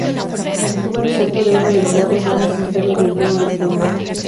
Estuvo en el centro de uno de los barrios más necesitados de Johannesburgo.